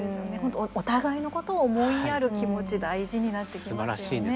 お互いのことを思いやる気持ち、大事になってきますよね。